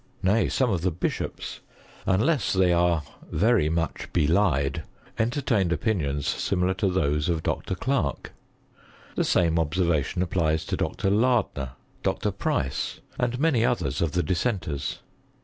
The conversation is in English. Nay, some of the bishops, unless they are very much belied, entertained opinions similar to those of Dr. Clarke. The same observation applies to Dr. Lardner, Dr. Price, and many others of the dissenters.